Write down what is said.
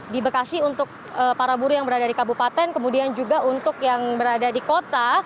di bekasi untuk para buruh yang berada di kabupaten kemudian juga untuk yang berada di kota